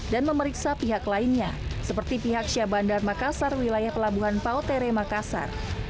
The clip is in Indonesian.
dan memeriksa pihak lainnya seperti pihak syah bandar makassar wilayah pelabuhan pautere makassar